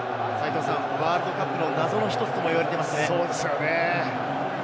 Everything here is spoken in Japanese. ワールドカップの謎のひとつとも言われていますよね。